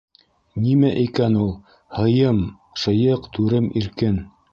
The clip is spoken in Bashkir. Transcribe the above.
Нимә икән ул «һыйым шыйыҡ, түрем иркен»?